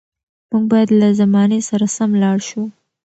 موږ باید له زمانې سره سم لاړ شو.